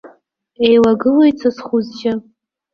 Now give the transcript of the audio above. Еилагылоит са схәы-сжьы.